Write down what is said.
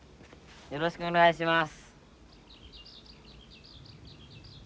よろしくお願いします。